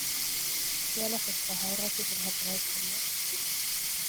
Gerlach ist verheiratet und hat drei Kinder.